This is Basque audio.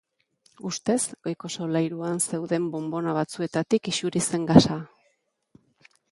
Ustez, goiko solairuan zeuden bonbona batzuetatik isuri zen gasa.